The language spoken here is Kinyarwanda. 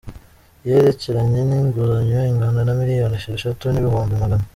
yerekeranye n‟inguzanyo ingana na miliyoni esheshatu n‟ibihumbi magana